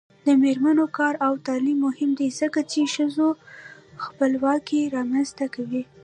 د میرمنو کار او تعلیم مهم دی ځکه چې ښځو خپلواکي رامنځته کوي.